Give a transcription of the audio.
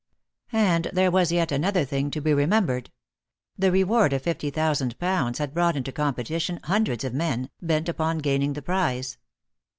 And there was yet another thing to be remembered. The reward of fifty thousand pounds had brought into competition hundreds of men, bent upon gaining the prize.